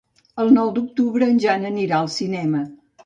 El nou d'octubre en Jan anirà al cinema.